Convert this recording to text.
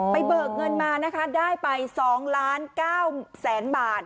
เบิกเงินมานะคะได้ไป๒ล้าน๙แสนบาท